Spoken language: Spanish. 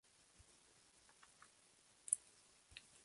Se encuentran en el África subsahariana.